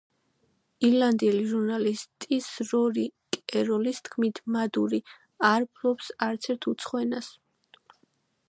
ირლანდიელი ჟურნალისტის რორი კეროლის თქმით, მადურო არ ფლობს არცერთ უცხო ენას.